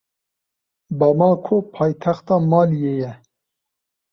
Bamako paytexta Maliyê ye.